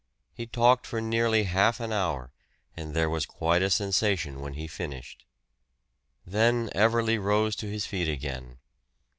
He talked for nearly half an hour, and there was quite a sensation when he finished. Then Everley rose to his feet again.